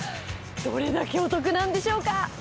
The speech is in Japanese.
どれだけお得なんでしょうか。